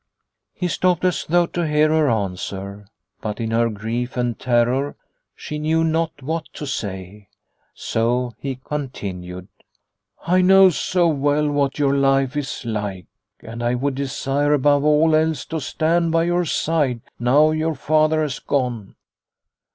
" He stopped, as though to hear her answer, but in her grief and terror she knew not what to say, so he continued : "I know so well what your life is like, and I would desire above all else to stand by your side now your father has gone.